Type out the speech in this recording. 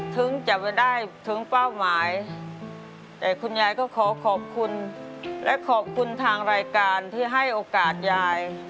ถึงจะไปได้ถึงเป้าหมายแต่คุณยายก็ขอขอบคุณและขอบคุณทางรายการที่ให้โอกาสยาย